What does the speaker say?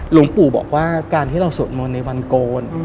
หลวงปู่บอกว่าการที่เราสวดมนต์ในวันโกน